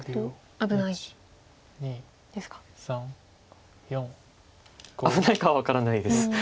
危ないかは分からないです。